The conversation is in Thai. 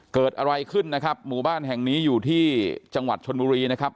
เกิดอะไรขึ้นนะครับหมู่บ้านแห่งนี้อยู่ที่จังหวัดชนบุรีนะครับ